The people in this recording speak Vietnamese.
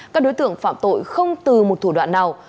các đối tượng phạm tội không từ một thủ đoạn nào